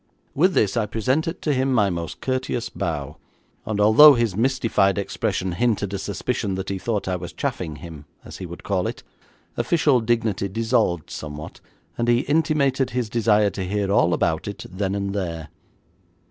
With this I presented to him my most courteous bow, and although his mystified expression hinted a suspicion that he thought I was chaffing him, as he would call it, official dignity dissolved somewhat, and he intimated his desire to hear all about it then and there.